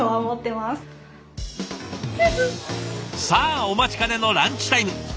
さあお待ちかねのランチタイム！